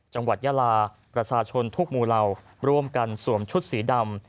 จังหวัดยาลาประชาชนทุกหมู่เหล่าร่วมกันสวมชุดสีดำ